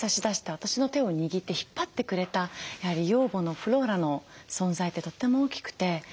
私の手を握って引っ張ってくれたやはり養母のフローラの存在ってとっても大きくて。